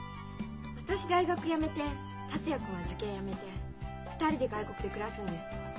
私大学やめて達也君は受験やめて２人で外国で暮らすんです。